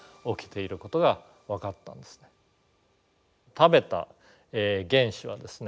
食べた原子はですね